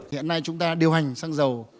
hiện nay chúng ta điều hành xăng dầu